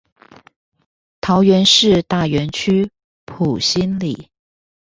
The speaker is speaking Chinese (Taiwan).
桃園市大園區埔心里